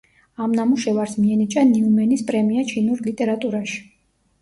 ამ ნამუშევარს მიენიჭა ნიუმენის პრემია ჩინურ ლიტერატურაში.